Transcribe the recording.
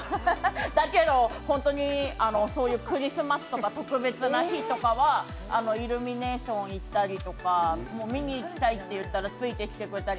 だけど、ホントにそういうクリスマスとか特別な日とかはイルミネーション行ったりとか見に行きたいって言ったらついてきてくれたり。